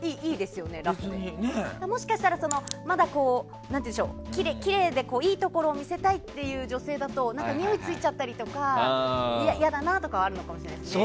もしかしたら、まだきれいでいいところを見せたいという女性だとにおいついちゃったりとか嫌だなとかはあるかもしれないですね。